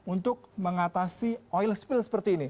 untuk mengatasi oil spill seperti ini